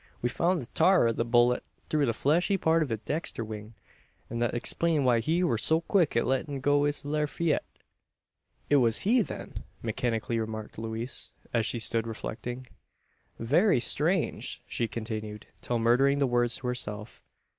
We foun' the tar o' a bullet through the fleshy part o' his dexter wing; an thet explained why he wur so quick at lettin' go his laryette." "It was he, then!" mechanically remarked Louise, as she stood reflecting. "Very strange!" she continued, still muttering the words to herself.